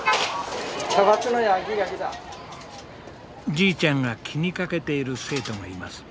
じいちゃんが気にかけている生徒がいます。